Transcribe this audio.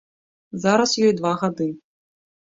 Зараз ёй два гады.